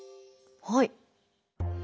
はい。